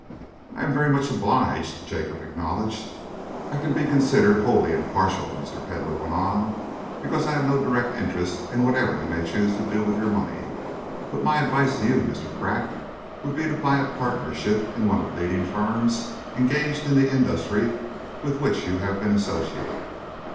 "I am very much obliged," Jacob acknowledged. "I can be considered wholly impartial," Mr. Pedlar went on, "because I have no direct interest in whatever you may choose to do with your money, but my advice to you, Mr. Pratt, would be to buy a partnership in one of the leading firms engaged in the industry with which you have been associated."